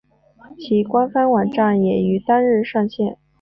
其官方网站也于当日上线。